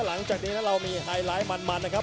หลังจากนี้เรามีไฮไลท์มันนะครับ